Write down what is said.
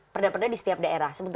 perda perda di setiap daerah